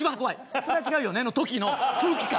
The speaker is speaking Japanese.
「それは違うよね」の時の空気感。